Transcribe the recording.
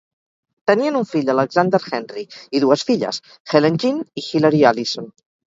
Tenien un fill, Alexander Henry, i dues filles, Helen Jean i Hilary Alison.